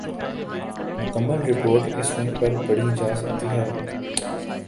مکمل رپورٹ اس لنک پر پڑھی جا سکتی ہے ۔